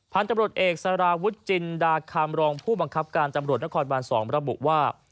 พันธุ์จำรวจเอกสราวุจจินดากคำลองผู้บังคับการจำรวจนกรทห์วั่น๒มารับบุว่า